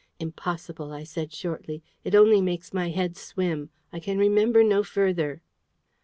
"Impossible!" I said shortly. "It only makes my head swim. I can remember no further."